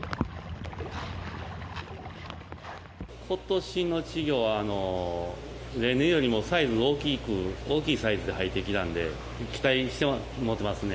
ことしの稚魚は例年よりも大きいサイズで入ってきたので期待は持てますね。